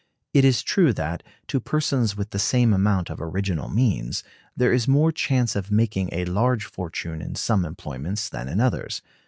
It is true that, to persons with the same amount of original means, there is more chance of making a large fortune in some employments than in others.